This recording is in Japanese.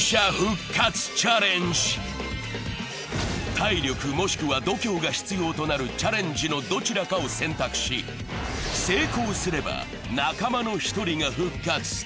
体力もしくは度胸が必要となるチャレンジのどちらかを選択し、成功すれば、仲間の１人が復活。